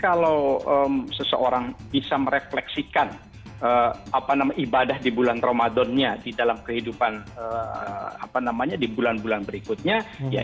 kalau seseorang bisa merefleksikan ibadah di bulan ramadannya di dalam kehidupan di bulan bulan berikutnya